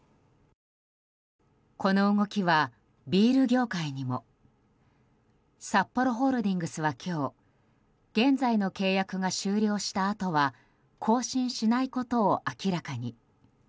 この動きは、ビール業界にも。サッポロホールディングスは今日現在の契約が終了したあとは更新しないことを明らかに。